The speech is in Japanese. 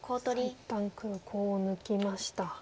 一旦黒コウを抜きました。